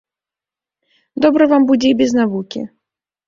Добра вам будзе і без навукі!